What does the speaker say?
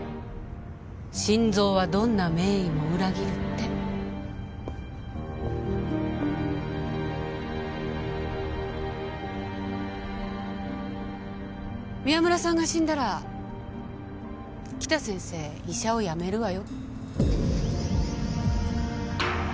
心臓はどんな名医も裏切るって宮村さんが死んだら北先生医者を辞めるわよ